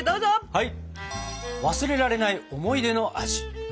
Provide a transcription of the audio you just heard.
はい！